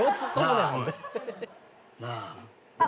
なあ。